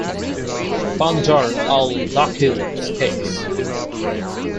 Bandar Al-Dakheel escapes.